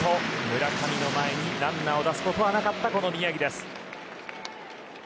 村上の前にランナーを出すことはなかった宮城です。